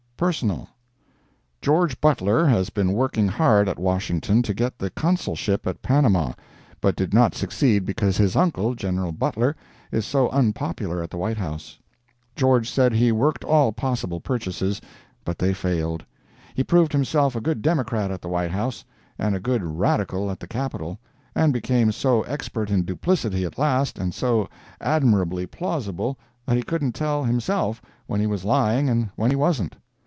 PERSONAL George Butler has been working hard at Washington to get the Consulship at Panama, but did not succeed because his uncle, Gen. Butler, is so unpopular at the White House. George said he worked all possible purchases, but they failed; he proved himself a good Democrat at the White House, and a good Radical at the Capitol, and became so expert in duplicity at last, and so admirably plausible that he couldn't tell, himself, when he was lying and when he wasn't.